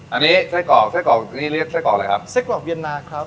อันนี้ไส้กรอกไส้กรอกนี่เรียกไส้กรอกอะไรครับไส้กรอกเวียนนาครับ